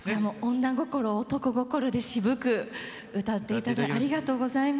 女心を男心で渋く歌っていただきありがとうございます。